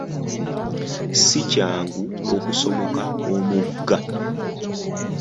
Si kyangu okusomoka omugga.